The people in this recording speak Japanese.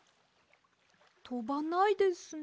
とばないですね。